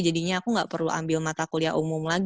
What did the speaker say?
jadinya aku nggak perlu ambil mata kuliah umum lagi